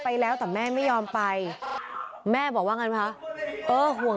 เธอกลัวก็เลยหนีไปเช่าห้องอยู่ในเมือง